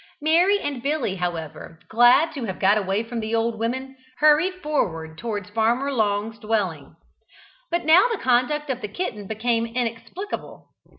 Mary and Billy, however, glad to have got away from the old women, hurried forward towards Farmer Long's dwelling. But now the conduct of the kitten became inexplicable.